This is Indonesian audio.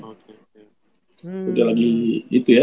udah lagi itu ya